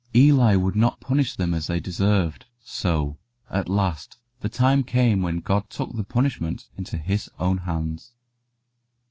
Eli would not punish them as they deserved, so at last the time came when God took the punishment into His own hands.